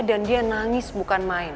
dan dia nangis bukan main